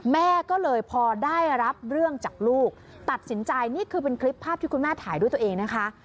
แม่ก็เลยพอได้รับเรื่องจากลูกตัดสินใจนี่คือเป็นคลิปภาพที่คุณแม่ถ่ายด้วยตัวเองนะคะ